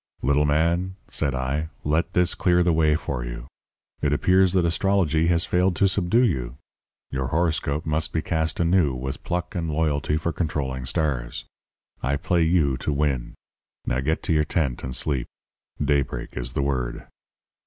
"'Little man,' said I, 'let this clear the way for you. It appears that astrology has failed to subdue you. Your horoscope must be cast anew with pluck and loyalty for controlling stars. I play you to win. Now, get to your tent, and sleep. Daybreak is the word.'